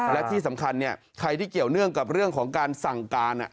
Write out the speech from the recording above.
และที่สำคัญใครที่เกี่ยวเนื่องกับเรื่องของการสั่งการ